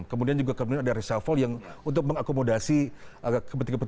kemudian juga kemudian ada reshuffle yang untuk mengakomodasi kepentingan